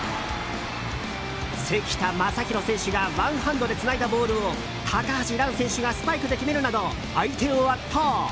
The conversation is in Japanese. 関田誠大選手がワンハンドでつないだボールを高橋藍選手がスパイクで決めるなど相手を圧倒。